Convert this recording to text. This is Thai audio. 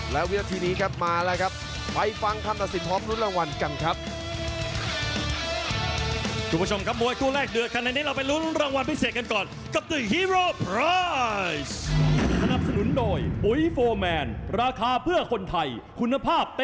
และวินาทีนี้ครับมาแล้วครับไปฟังคำตัดสินพร้อมรุ้นรางวัลกันครับ